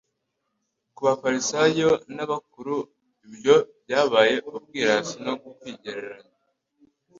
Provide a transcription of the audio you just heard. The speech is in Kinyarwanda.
Ku bafarisayo n'abakuru ibyo byabaye ubwirasi no kwigereranya.